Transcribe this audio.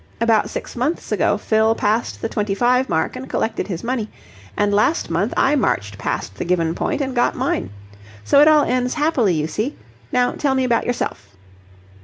About six months' ago Fill passed the twenty five mark and collected his money, and last month I marched past the given point and got mine. So it all ends happily, you see. Now tell me about yourself."